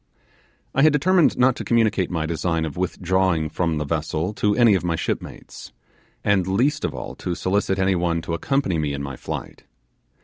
I had determined not to communicate my design of withdrawing from the vessel to any of my shipmates, and least of all to solicit any one to accompany me in my flight.